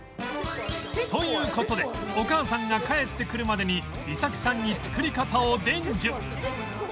という事でお母さんが帰ってくるまでに衣咲さんに作り方を伝授